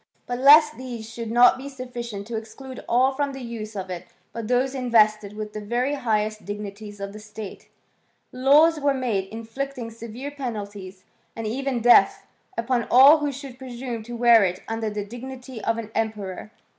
But lest tins should not be sufficient to exclude all from the use of it but those invested with the very highest dignities of the state, laws were made inflicting severe penalties, and even death, upon all who should presume to wear it under the dignity of an emperor.